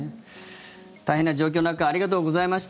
大変な状況の中ありがとうございました。